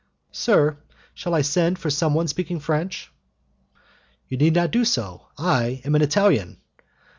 "Sir, shall I send for someone speaking French?" "You need not do so, I am an Italian."